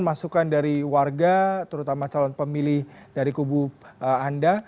masukan dari warga terutama calon pemilih dari kubu anda